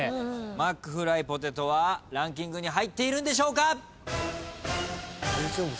マックフライポテトはランキングに入っているんでしょうか？